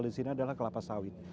di sini adalah kelapa sawit